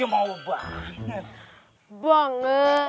ya mau banget